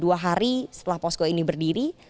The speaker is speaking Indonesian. dua hari setelah posko ini berdiri